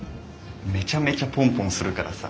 めちゃめちゃポンポンするからさ。